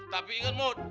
tapi ingat mut